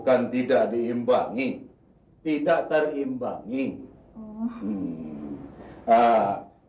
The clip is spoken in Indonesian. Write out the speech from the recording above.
kan tidak diimbangi tidak terimbangi